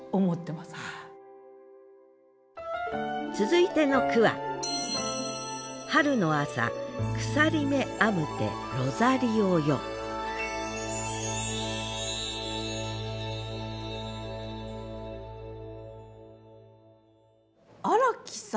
続いての句は荒木さん。